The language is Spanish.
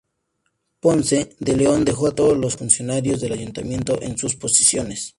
Ponce de León dejó a todos los funcionarios del ayuntamiento en sus posiciones.